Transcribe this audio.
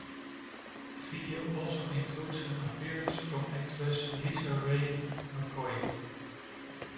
The video also includes an appearance from actress LisaRaye McCoy.